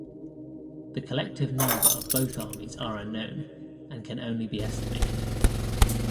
The collective number of both armies are unknown, and can only be estimated.